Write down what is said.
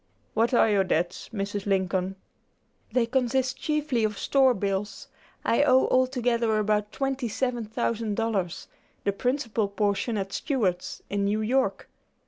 "What are your debts, Mrs. Lincoln?" "They consist chiefly of store bills. I owe altogether about twenty seven thousand dollars; the principal portion at Stewart's, in New York.